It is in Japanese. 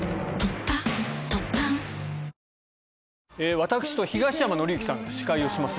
私と東山紀之さんが司会をします